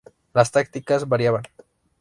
Las tácticas variaban.